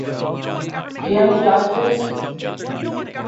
Jim Justice.